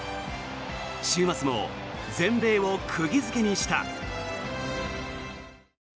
週末も全米を釘付けにした。